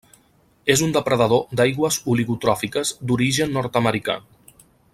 És un depredador d'aigües oligotròfiques d'origen nord-americà.